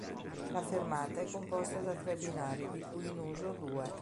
La fermata è composta da tre binari di cui in uso due.